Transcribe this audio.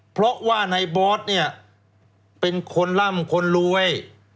เพราะว่าในบอสเป็นคนร่ำคนลวย